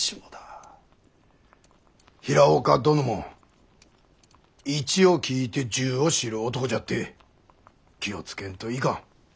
平岡殿も一を聞いて十を知る男じゃっで気を付けんといかん。